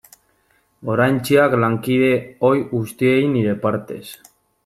Goraintziak lankide ohi guztiei nire partez.